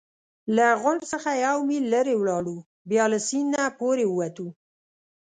له غونډ څخه یو میل لرې ولاړو، بیا له سیند نه پورې ووتو.